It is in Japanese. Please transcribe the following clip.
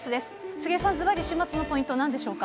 杉江さん、ずばり週末のポイント、なんでしょうか？